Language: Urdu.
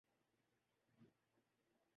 اور سب سے اہم بھی ۔